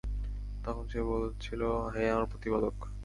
তখন সে বলেছিল, হে আমার প্রতিপালক!